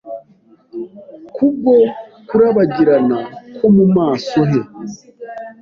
ku bwo kurabagirana ko mu maso he